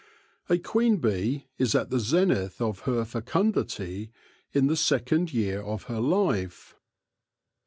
A queen bee is at the zenith of her fecund ity in the second year of her life.